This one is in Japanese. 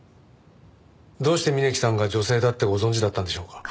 どうして峯木さんが女性だってご存じだったんでしょうか？